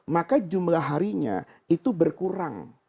maka jumlah harinya itu berkurang